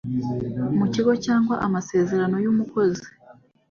mu kigo cyangwa amasezerano y umukozi